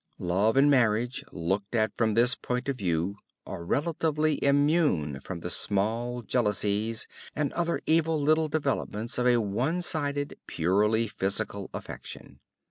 Love and marriage looked at from this point of view, are relatively immune from the small jealousies and other evil little developments of a one sided, purely physical affection.